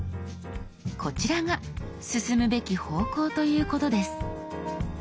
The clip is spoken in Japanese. こちらが進むべき方向ということです。